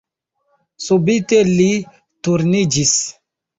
Subite li turniĝis.